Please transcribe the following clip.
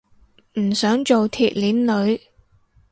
唔想做鐵鏈女